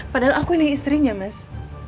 padahal aku ini istrinya mas